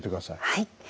はい。